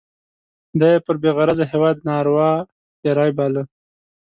دا یې پر بې غرضه هیواد ناروا تېری باله.